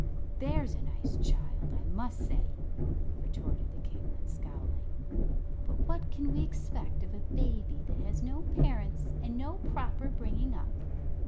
"There's a nice child, I must say!" retorted the kinglet, scowling. "But what can we expect of a baby that has no parents and no proper bringing up?